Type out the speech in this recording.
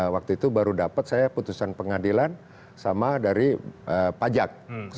waktu itu baru dapat saya putusan pengadilan sama dari pajak